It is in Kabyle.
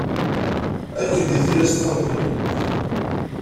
Akken deg tillas n texxamt-nni.